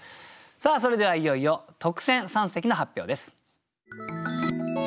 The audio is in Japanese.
それではいよいよ特選三席の発表です。